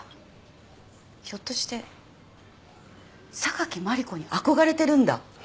ひょっとして榊マリコに憧れてるんだ？